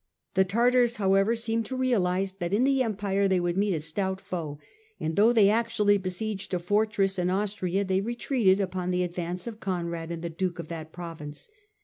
The Tartars, however, seemed to realise that in the Empire they would meet a stout foe, and though they actually besieged a fortress in Austria they retreated upon the advance of Conrad and the Duke of that province.